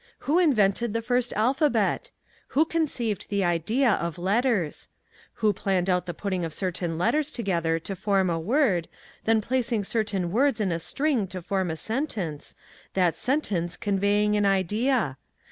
Who invented the first alphabet? Who conceived the idea of letters? Who planned out the putting of certain letters together to form a word, then placing certain words in a string to form a sentence, that sentence conveying an idea?